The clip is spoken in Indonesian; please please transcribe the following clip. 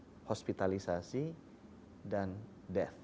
untuk hospitalisasi dan death